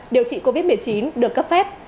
điều trị covid một mươi chín được cấp phép